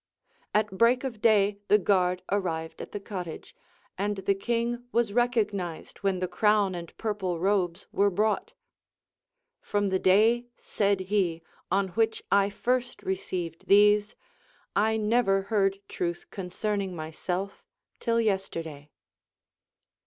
At break of day the guard arrived at the cottage, and the king was recognized when the crown and purple robes w^ere brought. From the day, said he, 208 THE APOPHTHEGMS OF KINGS on Avliich I first receh^d these, I ne\Tr heard truth con cerning myself till yesterday.